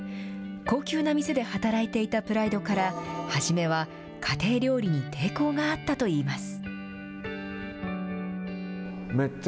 高級な店で働いていたプライドから、初めは家庭料理に抵抗があったといいます。